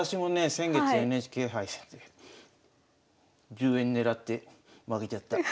先月ＮＨＫ杯戦で１０円狙って負けちゃった。